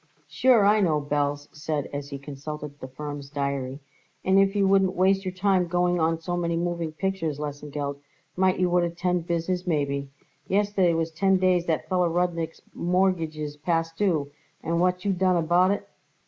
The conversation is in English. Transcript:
"Sure, I know," Belz said as he consulted the firm's diary; "and if you wouldn't waste your time going on so many moving pictures, Lesengeld, might you would attend to business maybe. Yesterday was ten days that feller Rudnik's mortgage is past due, and what did you done about it?